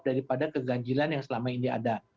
daripada keganjilan yang selama ini ada